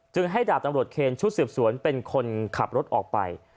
ให้ดาบตำรวจเคนชุดสืบสวนเป็นคนขับรถออกไป